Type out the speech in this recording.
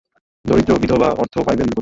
দরিদ্র বিধবা অর্থ পাইবেন কোথায়।